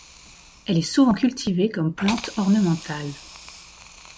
Elle est souvent cultivée comme plante ornementale.